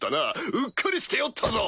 うっかりしておったぞ！